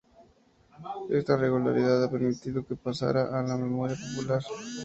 Esta regularidad ha permitido que pasara a la memoria popular.